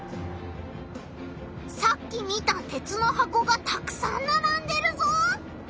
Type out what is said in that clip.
さっき見た鉄の箱がたくさんならんでるぞ！